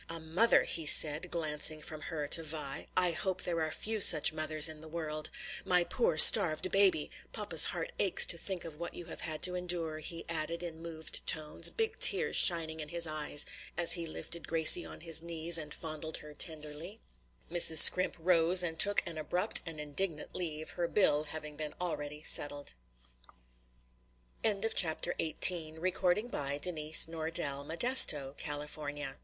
"A mother!" he said, glancing from her to Vi, "I hope there are few such mothers in the world. My poor starved baby! papa's heart aches to think of what you have had to endure," he added in moved tones, the big tears shining in his eyes, as he lifted Gracie on his knees and fondled her tenderly. Mrs. Scrimp rose and took an abrupt and indignant leave, her bill having been already settled. CHAPTER XIX. NEW RELATIONSHIPS AND NEW TITLES. "Are you hungry, Gracie darling?" her father asked with tender solicitude.